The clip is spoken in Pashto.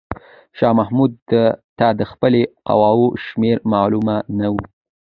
شاه محمود ته د خپلې قواوو شمېر معلومه نه و.